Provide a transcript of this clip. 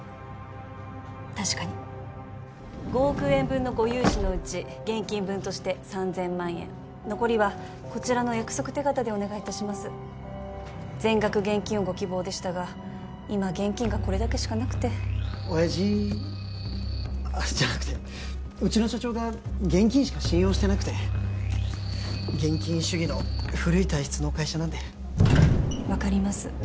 確かに５億円分のご融資のうち現金分として３０００万円残りはこちらの約束手形でお願いいたします全額現金をご希望でしたが今現金がこれだけしかなくて親父あっじゃなくてうちの社長が現金しか信用してなくて現金主義の古い体質の会社なんで分かります